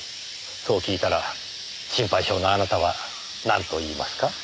そう聞いたら心配性のあなたはなんと言いますか？